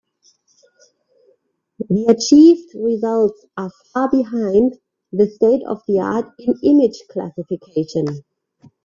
The achieved results are far behind the state-of-the-art in image classification.